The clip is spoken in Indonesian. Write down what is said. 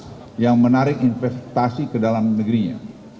indonesia nomor dua yang menarik investasi ke dalam negerinya